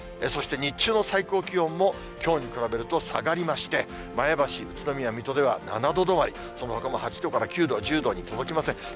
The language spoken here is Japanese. そして日中の最高気温も、きょうに比べると下がりまして、前橋、宇都宮、水戸では７度止まり、そのほかも８度から、９度、１０度に届きません。